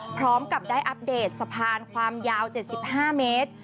พร้อมกับได้อัปเดตสะพานความยาวเจ็ดสิบห้าเมตร